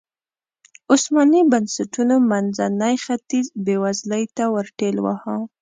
عثماني بنسټونو منځنی ختیځ بېوزلۍ ته ورټېل واهه.